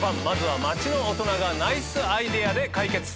まずは町の大人がナイスアイデアで解決。